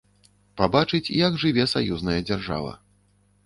Пабачыць, як жыве саюзная дзяржава.